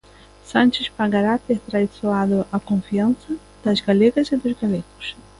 Sánchez pagará ter traizoado a confianza das galegas e dos galegos.